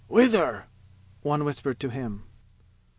"Whither?" one whispered to him.